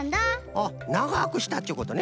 あっながくしたっちゅうことね。